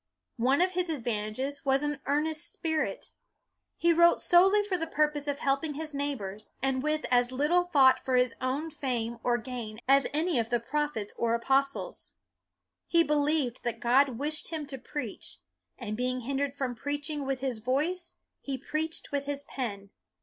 One of his advantages was an earnest BUNYAN 269 spirit. He wrote solely for the purpose of helping his neighbors, and with as lit tle thought for his own fame or gain as any of the prophets or apostles. He be lieved that God wished him to preach, and being hindered from preaching with his voice, he preached with his pen.